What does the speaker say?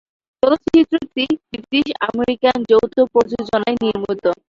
চলচ্চিত্রটি ব্রিটিশ-আমেরিকান যৌথ প্রযোজনায় নির্মিত।